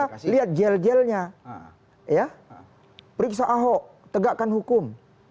kita lihat gel gelnya ya periksa ahok tegakkan hukum